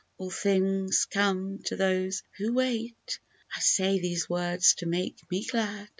All things come to those who wait "— (I say these words to make me glad).